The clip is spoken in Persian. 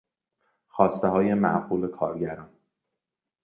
خواستههای معقول کارگران